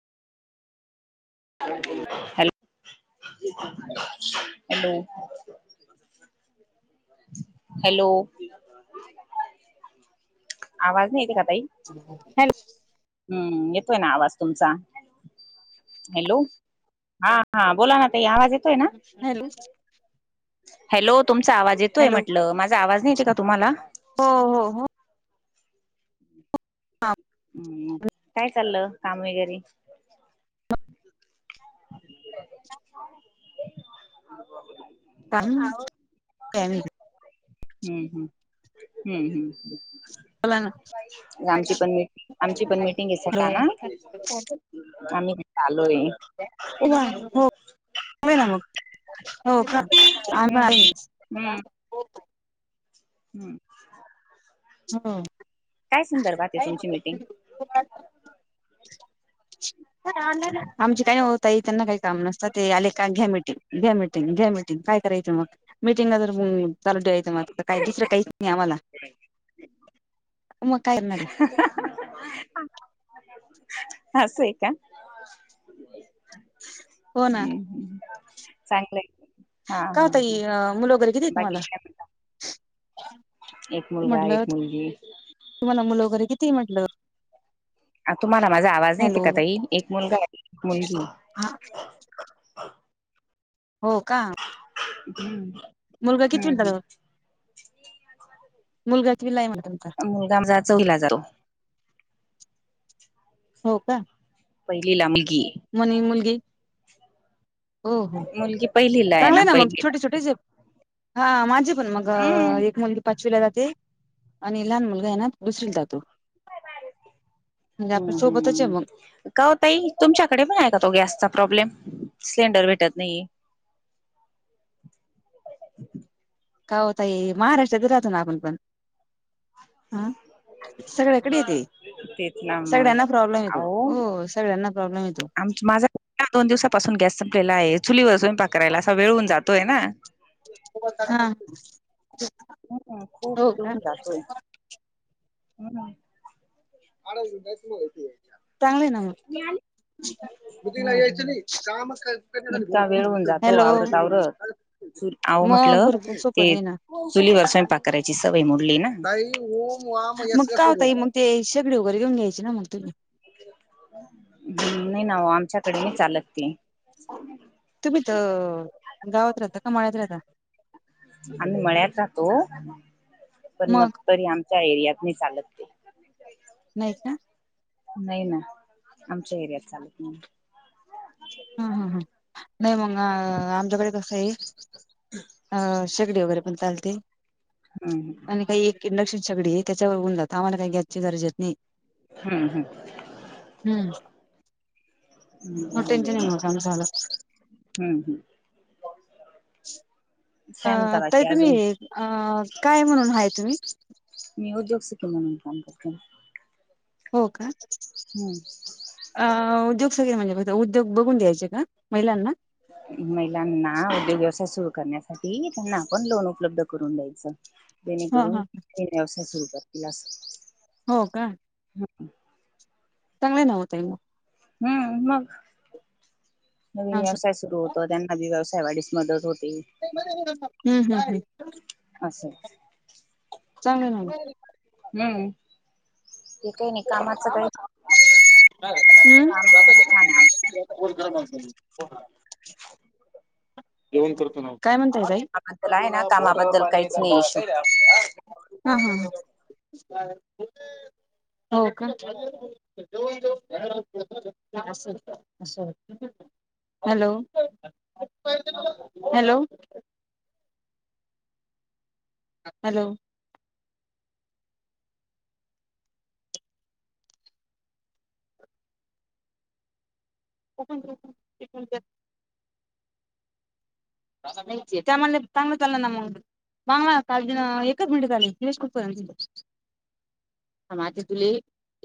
[inaudible] Hello [inaudible] hello आवाज नाही येते का ताई? [inaudible] हॅलो. हंअं, येतोय ना आवाज तुमचा. हॅलो, हा हा बोला ना ताई आवाज ये हॅलो. हॅलो तुमचा आवाज येतोय हॅलो म्हटलं. माझा आवाज नाही येत का तुम्हाला? हो हो हो. हम्म काय चाललं काम वगैरे? च. काही [unintelligible] हम्म हम्म हम्म बोला ना हम्म. आमची पण आमची पण ये मिटिंग ये हॅलो सका ना आम्ही इथं आलोय. [unintelligible] अ वा हो नाय ना मग हो का हम्म हम्म [inaudible] [unintelligible] हम्म. हो. काय संदर्भात आहे तुमची मिटिंग? [inaudible] आमची काय हो ताई त्यांना काही काम नसत ते आले का घ्या मीटिंग घ्या मीटि टिंग घ्या मीटिंग काय करायचं मग मीटिंगला ज [unintelligible] चालत जायचं मग काय दुसरं काहीच नाही आम्हाला. म काय रणार हे? असंय का? [inaudible] हम्म चांगलय. काय ओ ताई मुलं वगैरे किती ये तुम्हाला? काय म्हणता एक मुलगा, एक म्हटलं मुलगी. तुम्हाला मुलं वगैरे किती ये म्हटलं? अ तुम्हाला माझा आवाज नाहीे येत हॅलो का ताई? एक मुलगा ये एक मुलगी. हा. हो का. हम्म. मुलगा कितवीला? हम्म [unintelligible] मुलगा कितवीला आहे म्हटलं तुमचा? मुलगा आमचा चौहीला जातो. हो का. पहिलीला मुलगी. मनी मुलगी. हो हो मुलगी पहिलीला आहे चांगलंय ना मग पहिलीला छोटे छोटेच ये हा माझी पण मग हम्म एक मुलगी पाचवीला जाते. आणि लहान मुलगा आहे ना दुसरीला जातो म्हणजे आपल्या हम्म सोबतच ये हम्म मग. का ओ ताई तुमच्याकडे पण आहे का तो गॅसचा प्रॉब्लेम? सिलेंडर भेटत नाहीये. का ओ ताई महाराष्ट्रात राहतो ना आपण पण. हम्म सगळ्याकडे ये ते तेच ना मग सगळ्यांना प्रॉब्लेम आहे तो हो. सगळ्यांना प्रॉब्लेम ये तो. आमचा माझा दोन दिवसापासून गॅस संपलेला आहे चुलीवर स्वयंपाक करायला असा वेळ होऊन जातोय ना. हा. हम्म खुप हो [unintelligible] का येऊन जातोयं. [unintelligible] [inaudible] चांगलंय ना मग. नुसता वेळून जातो हॅलो आवरतं आवरतं. [inaudible] अहो मग म्हटलं भरपूर सोपं ते. नाही ना चुलीवर स्वयंपाक करायची सवय मोडली ना, बाई ओ मा यस मग काय सुरु होता झाला मग आता. ते शेगडी वगैरे घेऊ घ्यायची ना मग तुम्ही? हम्म नाही ना आमच्याकडे नाही चालत ती. हम्म तुम्ही तर गावात राहता का माळ्यात राहता? आम्ही मळ्यात राहतो पण मग तरी आमच्या एरियात नाही चालत ते. नाही का? नाही ना आमच्या एरियात चालत नाही. हम ह ह नाही मग आमच्याकडे कसं आहे. अ शेगडी वगैरे पण चालते हम्म आणि काही इंडक्शन शेगडी हे त्याच्यावर होऊन जात, आम्हाला काही गॅस घ्यायची गरजेत नाही. हम्म हम. हम्म, हम् मग बरं बाई टेन्शन नाही मग आमचं हम्म हम्म, अ काय म्हणता ताई बाकी तुम्ही अजून? अ काय म्हणून आहेय तुम्ही? मी उद्योगसती म्हणून काम करते. हो का? हम्म, अ उद्योगसती म्हणजे फक्त उद्योग बघून दयाचे का? महिलांना. महिलांना उद्योग व्यवसाय [unintelligible] करण्यासाठी त्यांना आपण लोन उपलब्ध करून दयचं ह जेणेकरून. ह व्यवसाय सुरु करतील असं. हो का? हम्म, चांगलं हो ताई मग. हम्म, मग. नवीन असं व्यवसाय सुरू होतो त्यांनी व्यवसाय वाढीस मदत होती. [unintelligible] हम्म हम् ह्. असं हे. चांगलं ना मग हम्म, ते काही नाही कामाचं काही. [inaudible] [inaudible] काय म्हणता ताई? आपलं आहे ना कामाबद्दल काहीच नाही विषय. हा हा हा हो का? असं. [inaudible] हॅलो! हॅलो! हॅलो! [unintelligible] कोकण. [inaudible] त्या मनानं चांगलं चाल ना मग. बांगला काल एकच मिनिटत आलेश [inaudible] [unintelligible] तुले